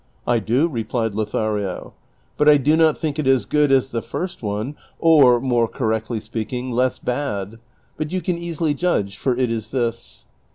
" I do," replied Lothario, "but I do not think it as good as the first one, or, more correctly speaking, less bad ; but you can easily judge, for it is this.